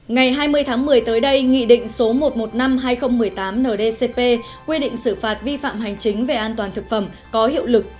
ngày hai mươi tháng một mươi tới đây nghị định số một trăm một mươi năm hai nghìn một mươi tám ndcp quy định xử phạt vi phạm hành chính về an toàn thực phẩm có hiệu lực